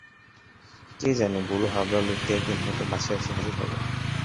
কে জানে, বুড়ো-হাবরা লোকটি একদিন হয়তো বাসায় এসে হাজির হবে।